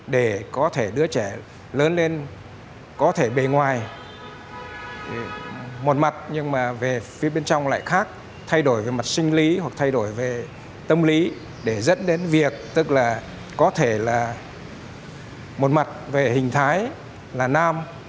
để có thể đứa trẻ lớn lên có thể bề ngoài một mặt nhưng mà về phía bên trong lại khác thay đổi về mặt sinh lý hoặc thay đổi về tâm lý để dẫn đến việc tức là có thể là một mặt về hình thái là nam